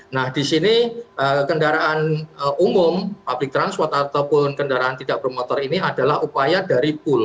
nah di sini kendaraan umum public transport ataupun kendaraan tidak bermotor ini adalah upaya dari pool